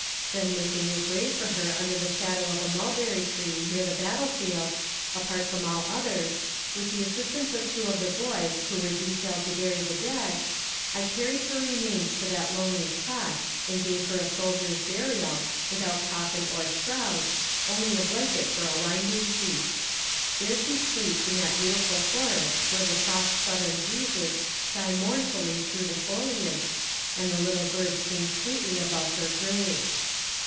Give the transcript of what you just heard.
Then making a grave for her under the shadow of a mulberry tree near the battle field, apart from all others, with the assistance of two of the boys who were detailed to bury the dead, I carried her remains to that lonely spot and gave her a soldier's burial, without coffin or shroud, only a blanket for a winding sheet. There she sleeps in that beautiful forest where the soft southern breezes sigh mournfully through the foliage, and the little birds sing sweetly above her grave.